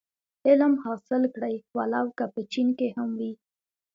علم حاصل کړی و لو که په چين کي هم وي.